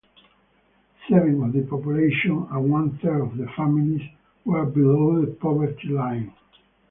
Seven of the population and one third of families were below the poverty line.